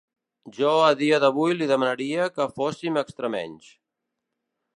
Jo a dia d’avui li demanaria que fóssim extremenys.